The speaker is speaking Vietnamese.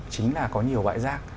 chính là có nhiều loại rác